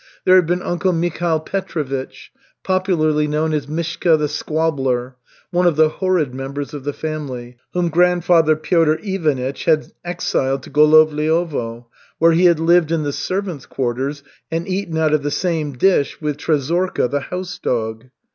There had been uncle Mikhail Petrovich, popularly known as Mishka the Squabbler, one of the "horrid" members of the family, whom grandfather Piotr Ivanych had exiled to Golovliovo, where he had lived in the servants' quarters and eaten out of the same dish with Trezorka, the house dog.